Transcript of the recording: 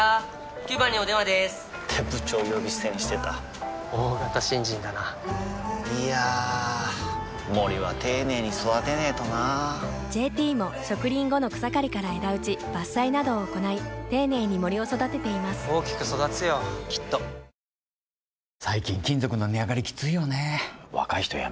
９番にお電話でーす！って部長呼び捨てにしてた大型新人だないやー森は丁寧に育てないとな「ＪＴ」も植林後の草刈りから枝打ち伐採などを行い丁寧に森を育てています大きく育つよきっとカシュッサントリー「こだわり酒場